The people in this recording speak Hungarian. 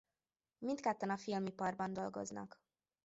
Mindketten a filmiparban dolgoznak.